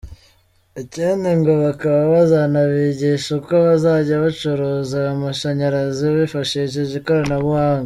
Ikindi ngo bakaba bazanabigisha uko bazajya bacuruza ayo mashanyarazi bifashishije ikoranabuhanga.